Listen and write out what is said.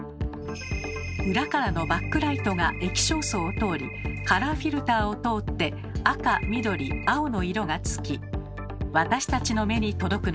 裏からのバックライトが液晶層を通りカラーフィルターを通って赤緑青の色がつき私たちの目に届くのです。